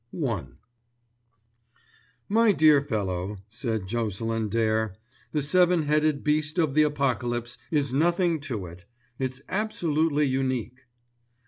*I* "My dear fellow," said Jocelyn Dare, "the Seven headed Beast of the Apocalypse is nothing to it. It's absolutely unique."